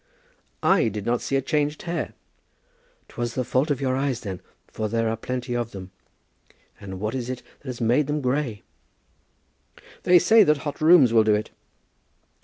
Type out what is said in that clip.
"I did not see a changed hair." "'Twas the fault of your eyes, then, for there are plenty of them. And what is it has made them grey?" "They say that hot rooms will do it."